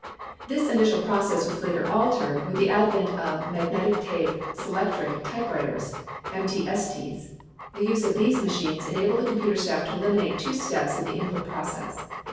This initial process was later altered with the advent of Magnetic Tape Selectric Typewriters (MTST's). The use of these machines enabled the computer staff to eliminate two steps in the input process.